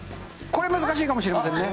これ難しいかもしれませんね。